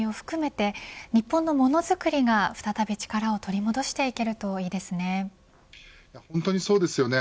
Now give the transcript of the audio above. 今回の半導体を含めて日本のモノづくりが再び力を取り戻せていけるといいですね。